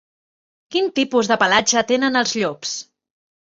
Quin tipus de pelatge tenen els llops?